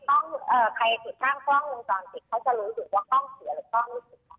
ซึ่งมันก็จะเห็นด้วยความเจนว่ามันยังทำงานเหลือคือสริปของกล้องมันใช้งานเหลือ